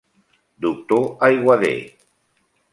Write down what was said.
Doctor Aiguader.